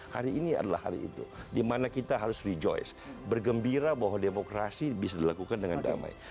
hari ini adalah hari itu dimana kita harus rejoice bergembira bahwa demokrasi bisa dilakukan dengan damai